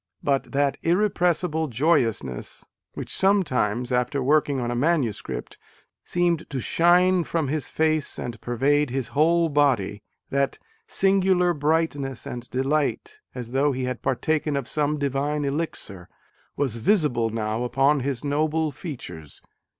But that irrepressible joyous ness which sometimes, after working on a manuscript, seemed to shine from his face and pervade his whole body, that "singular bright ness and delight, as though he had partaken of some divine elixir" was visible now upon his noble features.